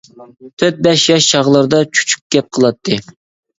تۆت-بەش ياش چاغلىرىدا چۈچۈك گەپ قىلاتتى.